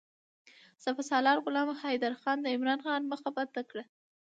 سپه سالار غلام حیدرخان د عمرا خان مخه بنده کړه.